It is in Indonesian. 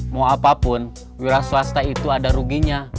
mau apapun wira swasta itu ada ruginya